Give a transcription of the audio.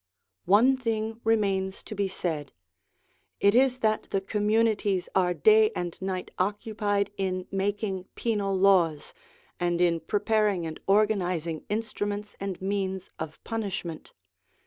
One thing remains to be said : it is that the com munities are day and night occupied in making penal laws, and in preparing and organising instruments and means of punishment.